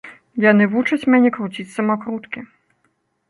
Яны вучаць мяне круціць самакруткі.